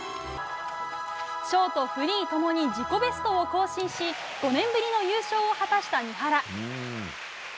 ショート、フリー共に自己ベストを更新し５年ぶりの優勝を果たした三原。